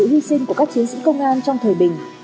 bạn nghĩ sao về sự hy sinh của các chiến sĩ công an trong thời bình